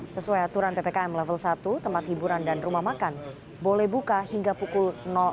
sesuai aturan ppkm level satu tempat hiburan dan rumah makan boleh buka hingga pukul